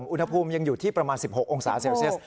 อุณหภูมิยังอยู่ที่ประมาณ๑๖องศาเซลเซียส